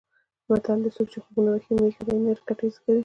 متل دی: څوک چې خوبونه وهي مېښه به یې نر کټي زېږوي.